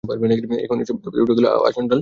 এখন সব ভেদাভেদ উঠে গেল, আচণ্ডাল প্রেম পাবে।